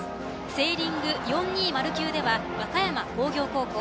セーリング４２０級では和歌山工業高校。